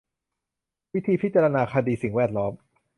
วิธีพิจารณาคดีสิ่งแวดล้อม